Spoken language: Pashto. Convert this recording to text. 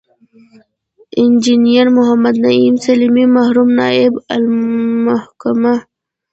انجنیر محمد نعیم سلیمي، مرحوم نایب الحکومه